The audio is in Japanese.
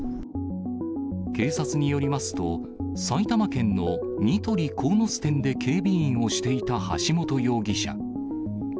警察によりますと、埼玉県のニトリ鴻巣店で警備員をしていた橋本容疑者。